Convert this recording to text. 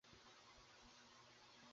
এই লোকটি নিশ্চই ছেলেছোকরা নয়।